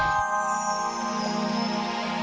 dia juga kesitu sih